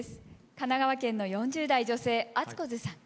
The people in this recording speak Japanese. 神奈川県の４０代・女性あつこずさん。